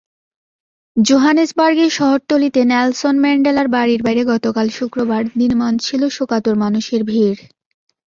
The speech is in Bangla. জোহানেসবার্গের শহরতলিতে নেলসন ম্যান্ডেলার বাড়ির বাইরে গতকাল শুক্রবার দিনমান ছিল শোকাতুর মানুষের ভিড়।